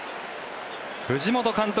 藤本監督